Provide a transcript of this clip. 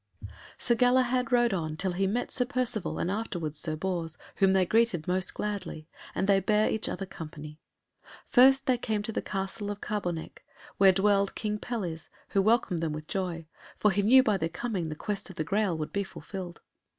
Sir Galahad rode on till he met Sir Percivale and afterwards Sir Bors, whom they greeted most gladly, and they bare each other company. First they came to the Castle of Carbonek, where dwelled King Pelles, who welcomed them with joy, for he knew by their coming the quest of the Graal would be fulfilled.